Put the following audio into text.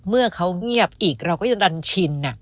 เมื่อเขาเงียบอีกเราก็จะดันชิน